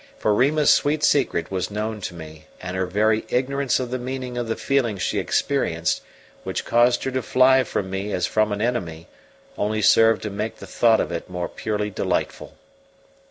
For Rima's sweet secret was known to me; and her very ignorance of the meaning of the feeling she experienced, which caused her to fly from me as from an enemy, only served to make the thought of it more purely delightful.